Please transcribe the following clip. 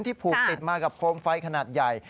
ผูกติดมากับโคมไฟขนาดใหญ่